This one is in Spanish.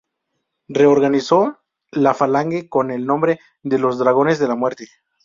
Reorganizó la Falange con el nombre de "Los Dragones de la Muerte".